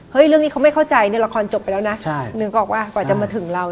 เรื่องนี้เขาไม่เข้าใจเนี่ยละครจบไปแล้วนะนึกออกว่ากว่าจะมาถึงเรา